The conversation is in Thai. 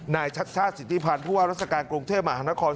นายชัดสิทธิพันธุ์บริษัทการกรุงเทพมหานคร